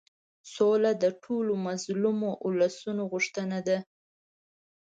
سوله د ټولو مظلومو اولسونو غوښتنه ده.